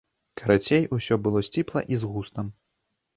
Карацей, усё было сціпла і з густам.